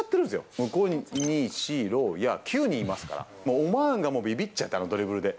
向こうに２、４、６、８、９人いますから、オマーンがもうびびっちゃって、あのドリブルで。